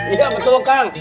iya betul kang